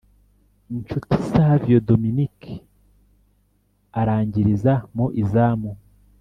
Nshuti Savio Dominique arangiriza mu izamu